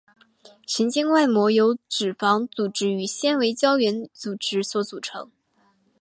神经外膜由脂肪组织与纤维胶原组织所组成。